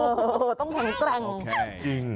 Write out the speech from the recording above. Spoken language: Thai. เออเห่าต้องแข็งแจงจริง